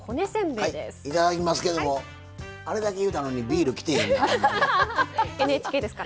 いただきますけどもあれだけ言うたのにＮＨＫですから。